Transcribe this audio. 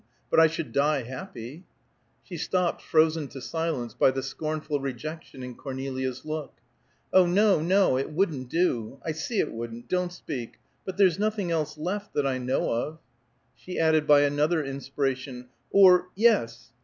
But I should die happy " She stopped, frozen to silence, by the scornful rejection in Cornelia's look. "Oh, no, no! It wouldn't do! I see it wouldn't! Don't speak! But there's nothing else left, that I know of." She added, by another inspiration, "Or, yes!